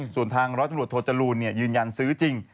ส่วนทางรถจังหลวดโทจรูลยืนยันซื้อจริง